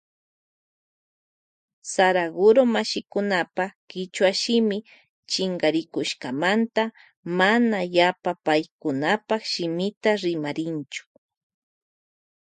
Saraguro mashikunapa kichwa shimi chinkarikushkamanta mana yapa paykunapa shimita rimarinchu.